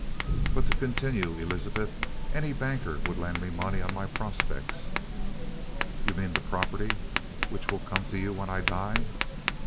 "But to continue, Elizabeth, any banker would lend me money on my prospects." "You mean the property which will come to you when I die?"